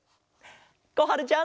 こはるちゃん。